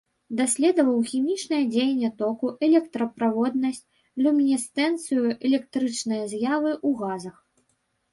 Даследаваў хімічнае дзеянне току, электраправоднасць, люмінесцэнцыю, электрычныя з'явы ў газах.